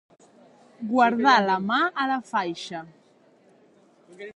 Guardar la mà a la faixa.